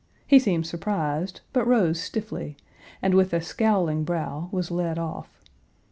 He seemed surprised, but rose stiffly, and, with a scowling brow, was led off.